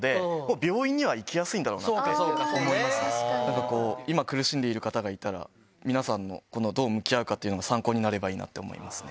でも、今苦しんでいる方がいたら、皆さんのこのどう向き合うかというのが参考になればいいなって思いますね。